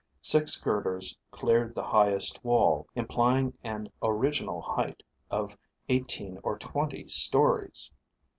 Six girders cleared the highest wall, implying an original height of eighteen or twenty stories.